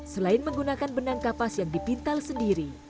selain menggunakan benang kapas yang dipintal sendiri